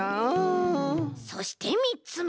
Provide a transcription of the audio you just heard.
そしてみっつめ。